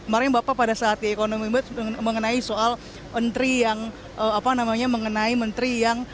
kemarin bapak pada saat di ekonomi mengenai soal menteri yang apa namanya mengenai menteri yang